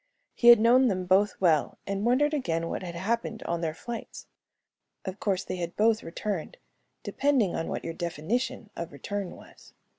He had known them both well and wondered again what had happened on their flights. Of course, they had both returned, depending upon what your definition of return was.